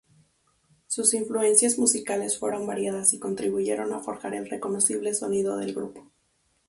Sus influencias musicales fueron variadas y contribuyeron a forjar el reconocible sonido del grupo.